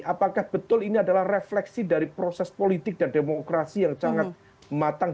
apakah betul ini adalah refleksi dari proses politik dan demokrasi yang sangat matang